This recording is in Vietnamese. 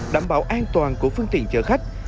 đảm bảo an toàn của phương tiện chở khách